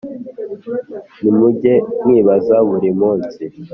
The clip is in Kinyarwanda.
nimuge mwibaza buri munsi,